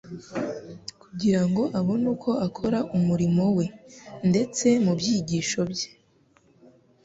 kugira ngo abone uko akora umurimo we; ndetse mu byigisho bye,